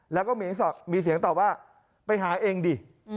แล้วก็มีเสียงตอบว่าไปหาเองดิ